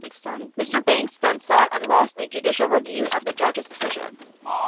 Mr Banks then sought and lost a judicial review of the judge's decision.